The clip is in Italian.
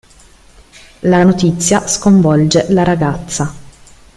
La notizia sconvolge la ragazza.